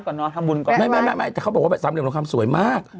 ก็แวะวัดก่อนเนอะทำบุญก่อนแวะวัดไม่ไม่ไม่แต่เขาบอกว่าแบบสามเหลี่ยมทองคำสวยมาก